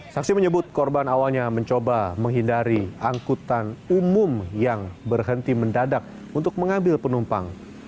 saksi menyebut korban awalnya mencoba menghindari angkutan umum yang berhenti mendadak untuk mengambil penumpang